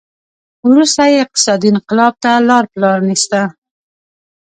وروسته یې اقتصادي انقلاب ته لار پرانېسته.